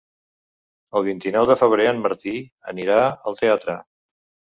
El vint-i-nou de febrer en Martí anirà al teatre.